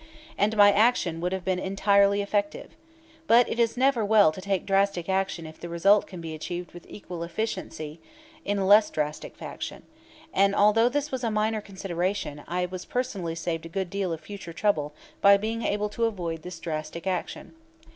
And my action would have been entirely effective. But it is never well to take drastic action if the result can be achieved with equal efficiency in less drastic fashion; and, although this was a minor consideration, I was personally saved a good deal of future trouble by being able to avoid this drastic action.